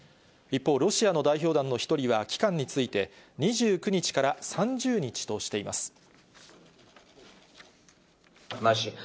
一方、ロシアの代表団の１人は、期間について、２９日から３０日としています。